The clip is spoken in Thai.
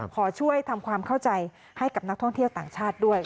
ขอช่วยทำความเข้าใจให้กับนักท่องเที่ยวต่างชาติด้วย